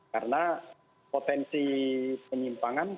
karena potensi penyimpangan